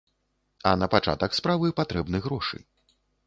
А на пачатак справы патрэбны грошы.